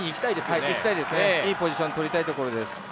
いいポジションをとりたいところです。